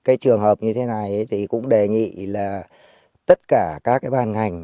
cái trường hợp như thế này thì cũng đề nghị là tất cả các cái ban ngành